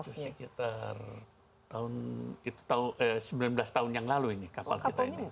itu sekitar sembilan belas tahun yang lalu ini kapal kita ini